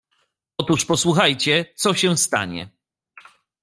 "Otóż posłuchajcie, co się stanie."